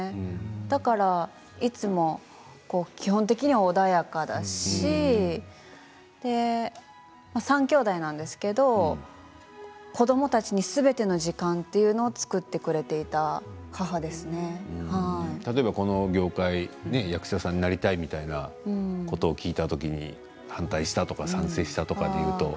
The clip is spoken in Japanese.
だから、いつも基本的には穏やかだし３きょうだいなんですけど子どもたちに、すべての時間というのを作ってくれていた例えば、この業界役者さんになりたいみたいなことを聞いた時に反対したとか賛成したとかで言うと。